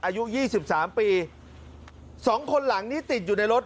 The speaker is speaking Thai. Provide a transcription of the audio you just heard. อายุยี่สิบสามปีสองคนหลังนี้ติดอยู่ในรถ